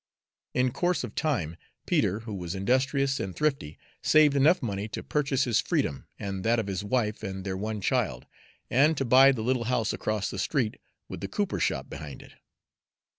In course of time Peter, who was industrious and thrifty, saved enough money to purchase his freedom and that of his wife and their one child, and to buy the little house across the street, with the cooper shop behind it.